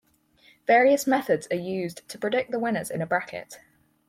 Various methods are used to predict the winners in a bracket.